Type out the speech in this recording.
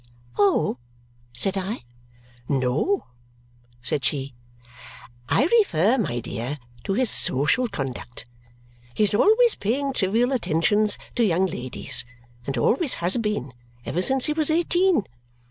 "Oh!" said I. "No," said she. "I refer, my dear, to his social conduct. He is always paying trivial attentions to young ladies, and always has been, ever since he was eighteen.